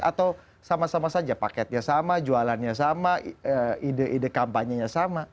atau sama sama saja paketnya sama jualannya sama ide ide kampanyenya sama